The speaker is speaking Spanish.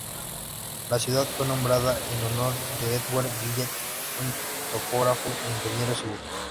La ciudad fue nombrada en honor de Edward Gillette, un topógrafo e ingeniero civil.